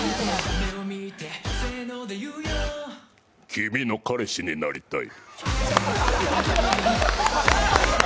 「君の彼氏になりたい」。